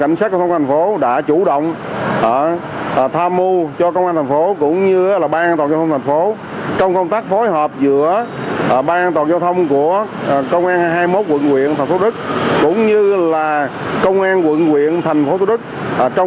nhất phân luồn